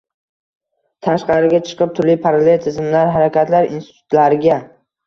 tashqariga chiqib, turli parallel tuzilmalar, harakatlar, institutlarga